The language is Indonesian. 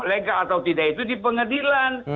legal atau tidak itu di pengadilan